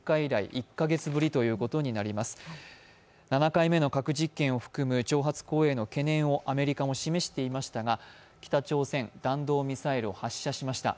７回目の核実験を巡る挑発行為をアメリカも示していましたが、北朝鮮、弾道ミサイルを発射しました。